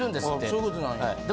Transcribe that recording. そういうことなんや。